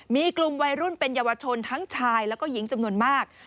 มีกลุ่มวัยรุ่นเป็นเยาวชนทั้งชายแล้วก็หญิงจำนวนมาก